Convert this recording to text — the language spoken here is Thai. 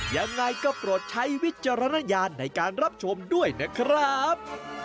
ยังไงก็โปรดใช้วิจารณญาณในการรับชมด้วยนะครับ